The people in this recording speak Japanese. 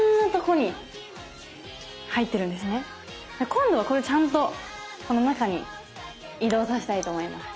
今度はこれちゃんとこの中に移動させたいと思います。